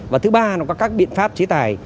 và thứ ba có các biện pháp chế tài